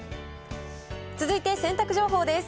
続いて、洗濯情報です。